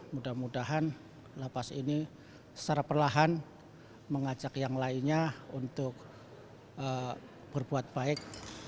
mudah mudahan lapas ini secara perlahan mengajak yang lainnya untuk berbuat baik